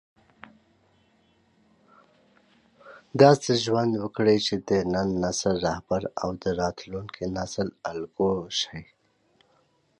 داسې ژوند وکړه چې د نن نسل رهبر او د راتلونکي نسل الګو شې.